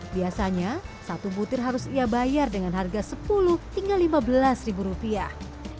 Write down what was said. biasanya satu butir harus ia bayar dengan harga sepuluh hingga lima belas ribu rupiah